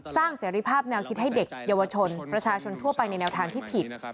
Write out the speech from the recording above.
เสรีภาพแนวคิดให้เด็กเยาวชนประชาชนทั่วไปในแนวทางที่ผิด